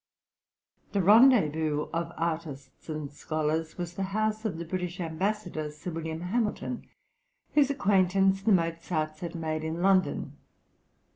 The rendezvous of artists and scholars was the house of the British ambassador, Sir Wm. Hamilton, whose acquaintance the Mozarts had made in London.